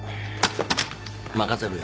任せるよ。